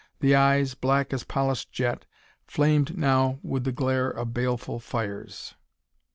The eyes, black as polished jet, flamed now with the glare of baleful fires.